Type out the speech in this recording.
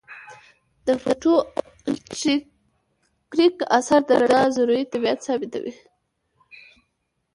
د فوټو الیټکریک اثر د رڼا ذروي طبیعت ثابتوي.